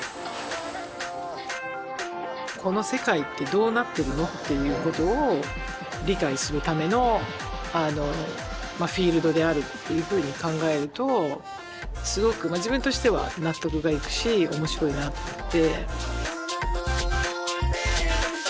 「この世界ってどうなってるの？」っていうことを理解するためのフィールドであるっていうふうに考えるとすごく自分としては納得がいくし面白いなって。